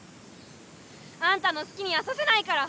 あんたのすきにはさせないから！